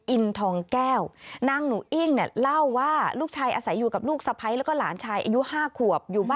อิงทองแก้ว